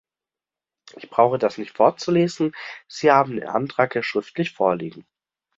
Ich brauche das nicht vorzulesen, Sie haben den Antrag ja schriftlich vorliegen.